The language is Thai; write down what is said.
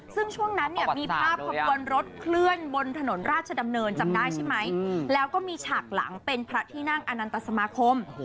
ซึ่งช่วงนั้นเนี่ยมีภาพขบวนรถเคลื่อนบนถนนราชดำเนินจำได้ใช่ไหมแล้วก็มีฉากหลังเป็นพระที่นั่งอนันตสมาคม